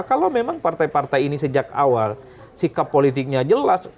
kalau memang partai partai ini sejak awal sikap politiknya jelas